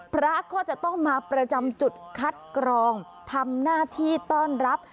พระก็จะต้องมาประจำจุดคัดกรองทำหน้าที่ต้อนรับ